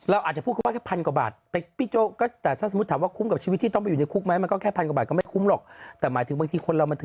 อาจจะพูดว่าแค่๑๐๐๐กว่าบาท